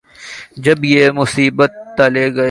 جب یہ مصیبت ٹلے گی۔